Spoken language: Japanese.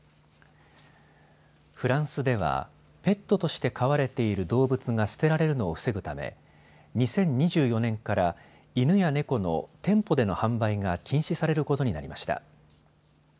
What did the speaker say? フランスではペットとして飼われている動物が捨てられるのを防ぐため２０２４年から犬や猫の店舗での販売が禁止されることになりました。